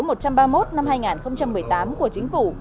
nghị định số một trăm ba mươi một năm hai nghìn một mươi tám của chính phủ